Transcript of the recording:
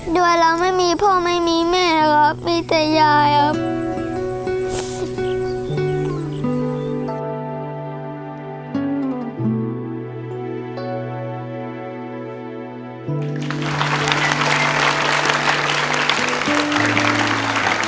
ด้วยเราไม่มีพ่อไม่มีแม่ครับมีแต่ยายครับ